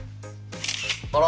あら！